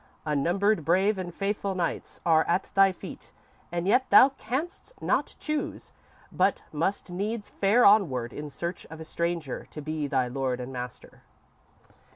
Unnumbered brave and faithful knights are at thy feet and yet thou canst not choose, but must needs fare onward in search of a stranger to be thy lord and master."